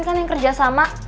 kan yang kerjasama